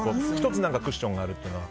１つクッションがあるというのは。